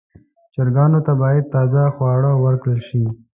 چرګانو ته باید تازه خواړه ورکړل شي.